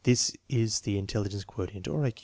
This is the intelligence quotient, or I Q.